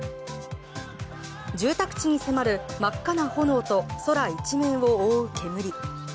住宅地に迫る真っ赤な炎と空一面を覆う煙。